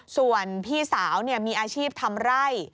ส่วนพี่สาวมีอาชีพทำไร่